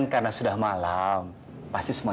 kalau tidak bubuk di gigit nyemuk